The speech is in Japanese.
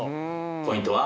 ポイントは。